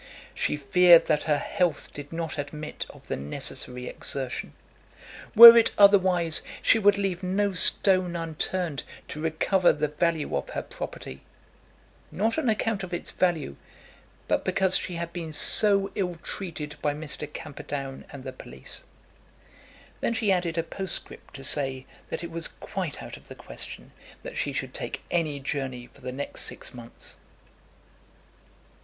She feared that her health did not admit of the necessary exertion. Were it otherwise she would leave no stone unturned to recover the value of her property, not on account of its value, but because she had been so ill treated by Mr. Camperdown and the police. Then she added a postscript to say that it was quite out of the question that she should take any journey for the next six months.